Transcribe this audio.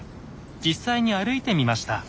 実際に歩いてみました。